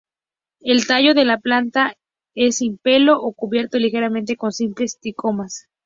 El tallo de la planta es sin pelo o cubierto ligeramente con simples tricomas.